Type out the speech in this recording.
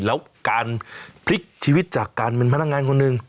แล้วการพลิกชีวิตจากการเป็นพนักงานคนหนึ่ง